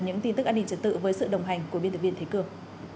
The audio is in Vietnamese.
những tin tức an ninh trật tự với sự đồng hành của biên tập viên thế cường